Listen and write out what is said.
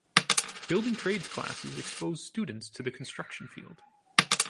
Building trades classes expose students to the construction field.